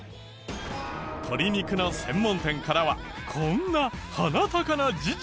鶏肉の専門店からはこんなハナタカな事実が。